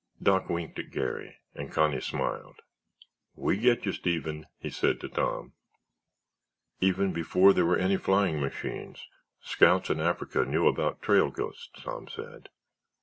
Doc winked at Garry, and Connie smiled. "We get you, Steven," he said to Tom. "Even before there were any flying machines, scouts in Africa knew about trail ghosts," Tom said.